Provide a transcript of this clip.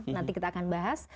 nanti kita akan bahas